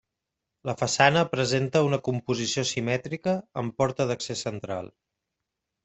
La façana presenta una composició simètrica amb porta d'accés central.